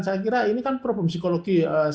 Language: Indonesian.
saya kira ini kan problem psikologi